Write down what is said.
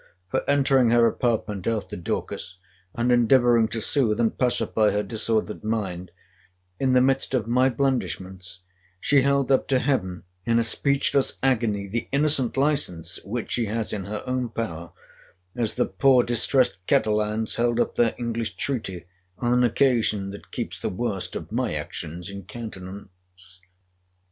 —For entering her apartment after Dorcas; and endeavouring to soothe and pacify her disordered mind; in the midst of my blandishments, she held up to Heaven, in a speechless agony, the innocent license (which she has in her own power); as the poor distressed Catalans held up their English treaty, on an occasion that keeps the worst of my actions in countenance.